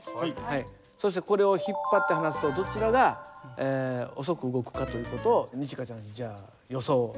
そしてこれを引っ張って離すとどちらが遅く動くかという事を二千翔ちゃんじゃあ予想を。